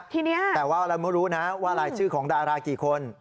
ทีนี้แต่ว่าเราไม่รู้นะว่ารายชื่อของดารากี่คน